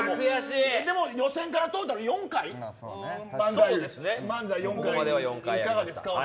でも予選からトータル４回漫才４回、いかがですか。